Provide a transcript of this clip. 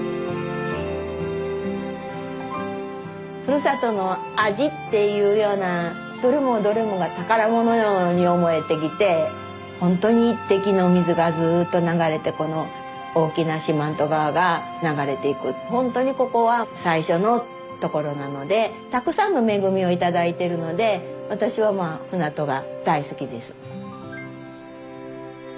ふるさとの味っていうようなどれもどれもが宝物のように思えてきてほんとに１滴のお水がずっと流れてこの大きな四万十川が流れていくほんとにここは最初のところなのでたくさんの恵みを頂いてるので私はまあ船戸が大好きです。